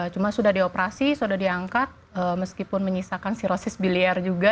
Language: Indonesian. cuma sudah dioperasi sudah diangkat meskipun menyisakan sirosis biliar juga